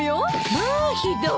まあひどい。